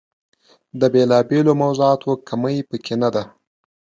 د بېلا بېلو موضوعاتو کمۍ په کې نه ده.